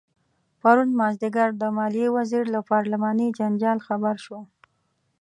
پرون مازدیګر د مالیې وزیر له پارلماني جنجال خبر شو.